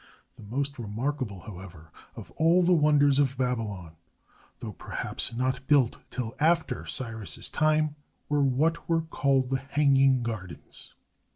The most remarkable, however, of all the wonders of Babylon — though perhaps not built till after Cyrus's time — were what were called the Hanging Gardens.